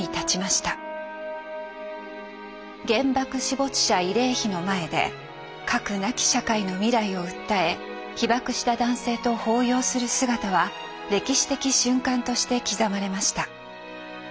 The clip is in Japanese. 原爆死没者慰霊碑の前で核なき社会の未来を訴え被爆した男性と抱擁する姿は歴史的瞬間として刻まれました。